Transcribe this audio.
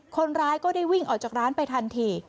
คนร้ายก็ได้วิ่งออกจากร้านไปทันที